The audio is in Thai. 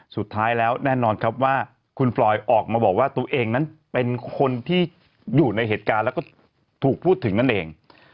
สุดท้ายแล้วแน่นอนครับว่าคุณฟลอยออกมาบอกว่าตัวเองนั้นเป็นคนที่อยู่ในเหตุการณ์แล้วก็ถูกพูดถึงนั่นเอง